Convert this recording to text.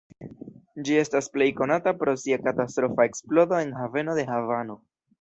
Ĝi estas plej konata pro sia katastrofa eksplodo en haveno de Havano.